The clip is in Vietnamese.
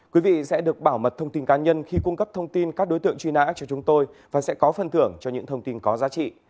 quý vị sẽ được bảo mật thông tin cá nhân khi cung cấp thông tin các đối tượng truy nã cho chúng tôi và sẽ có phân thưởng cho những thông tin có giá trị